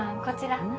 こちら。